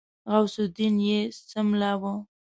غوث الدين يې څملاوه.